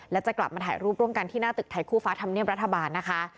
และจะกลับมาถ่ายรูปร่วมกันที่หน้าตึกไทยคู่ฟ้าธรรมเนียบรัฐบาลนะคะ